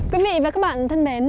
quý vị và các bạn thân mến